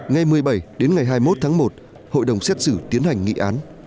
ngày một mươi bảy đến ngày hai mươi một tháng một hội đồng xét xử tiến hành nghị án